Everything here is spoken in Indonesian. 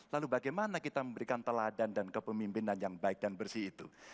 lalu bagaimana kita memberikan teladan dan kepemimpinan yang baik dan bersih itu